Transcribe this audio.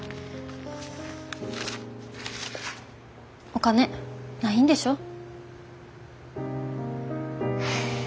お金ないんでしょう？